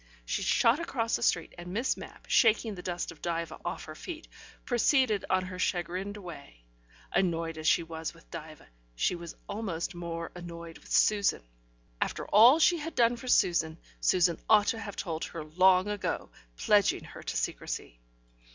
She shot across the street, and Miss Mapp, shaking the dust of Diva off her feet, proceeded on her chagrined way. Annoyed as she was with Diva, she was almost more annoyed with Susan. After all she had done for Susan, Susan ought to have told her long ago, pledging her to secrecy.